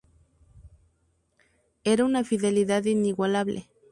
Era una fidelidad inigualable.